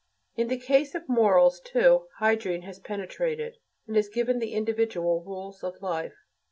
In the case of morals, too, hygiene has penetrated, and has given individual rules of life.